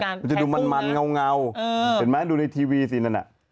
ทำไมจะดูมันเงาเห็นไหมดูในทีวีซีนนั่นอ่ะ